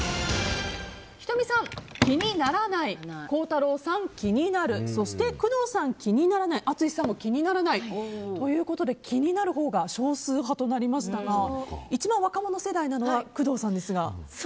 仁美さん、気にならない孝太郎さん、気になるそして工藤さん、気にならない淳さんも気にならない。ということで気になるほうが少数派となりましたが一番若者世代なのは工藤さんですが。